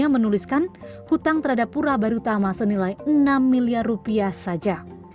menuliskan hutang terhadap pura barutama senilai enam miliar rupiah saja